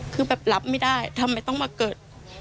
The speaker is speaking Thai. คือแบบรับไม่ได้ทำไมต้องมาเกิด